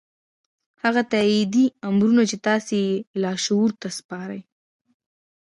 هغه تايیدي امرونه چې تاسې یې لاشعور ته سپارئ